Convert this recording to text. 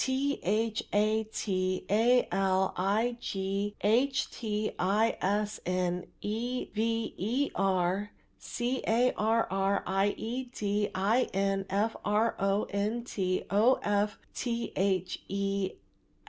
t. h. a. t. a. l. i. g. h. t. i. s. n. e. v. e. r. c. a. r. r. i. e. d. i. n. f. r. o. n. t. o. f. t. h. e.